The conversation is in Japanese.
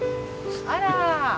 あら。